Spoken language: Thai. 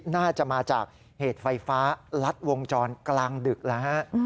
น่าจะมาจากเหตุไฟฟ้ารัดวงจรกลางดึกแล้วฮะ